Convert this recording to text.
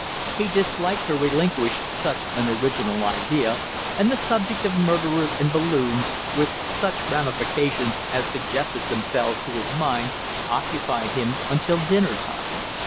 He disliked to relinquish such an original idea, and the subject of murderers and balloons, with such ramifications as suggested themselves to his mind, occupied him until dinner time.